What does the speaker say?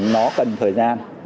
nó cần thời gian